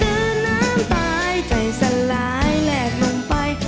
เดินน้ำตายใจสลายแหลกลงไป